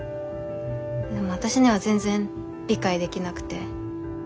でも私には全然理解できなくて。